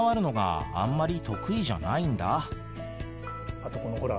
あとこのほら。